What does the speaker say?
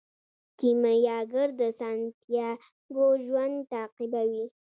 کیمیاګر د سانتیاګو ژوند تعقیبوي.